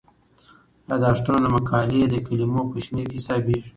یادښتونه د مقالې د کلمو په شمیر کې حسابيږي.